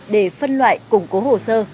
để phân loại củng cố hồ sơ